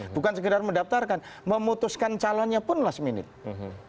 bukan sekedar mendaftarkan memutuskan calonnya pun last minute